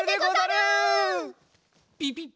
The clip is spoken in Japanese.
ピピッ！